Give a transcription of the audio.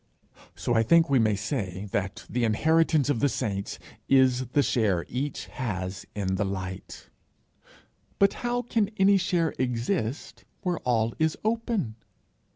So I think we may say that the inheritance of the saints is the share each has in the Light. But how can any share exist where all is open?